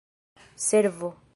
servo